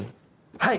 はい。